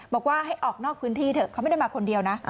บอกว่าให้ออกนอกพื้นที่เถอะเขาไม่ได้มาคนเดียวนะ